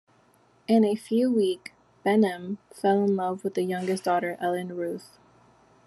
In a few week, Banim fell in love with the youngest daughter, Ellen Ruth.